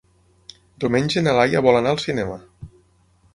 Diumenge na Laia vol anar al cinema.